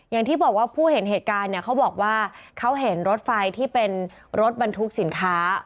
อย่างที่บอกว่าผู้เห็นเหตุการณ์เนี่ยเขาบอกว่าเขาเห็นรถไฟที่เป็นรถบรรทุกสินค้า